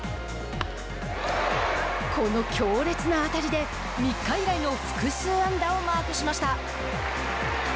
この強烈な当たりで３日以来の複数安打をマークしました。